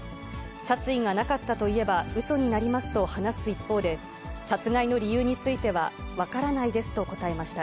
殺意がなかったといえばうそになりますと話す一方で、殺害の理由については分からないですと答えました。